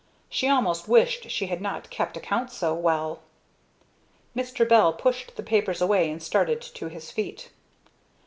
She almost wished she had not kept accounts so well. Mr. Bell pushed the papers away and started to his feet.